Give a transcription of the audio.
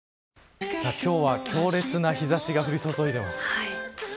今日は強烈な日差しが降り注いでいます。